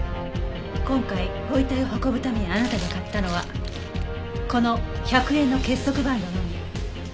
今回ご遺体を運ぶためにあなたが買ったのはこの１００円の結束バンドのみ。